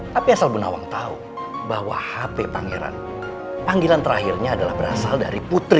tapi asal benawang tahu bahwa hp pangeran panggilan terakhirnya adalah berasal dari putri